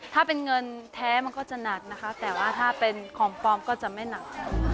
ถ้าเป็นเงินแท้มันก็จะหนักนะคะแต่ว่าถ้าเป็นของปลอมก็จะไม่หนัก